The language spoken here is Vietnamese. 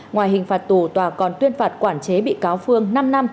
ngoài hình phạt tù tòa còn tuyên phạt quản chế bị cáo phương năm năm